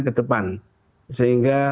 ke depan sehingga